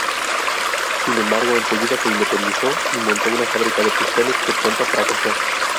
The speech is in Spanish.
Sin embargo, enseguida se independizó y montó una fábrica de pistones que pronto fracasó.